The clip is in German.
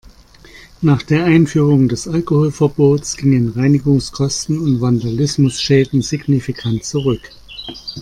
Nach der Einführung des Alkoholverbots gingen Reinigungskosten und Vandalismusschäden signifikant zurück.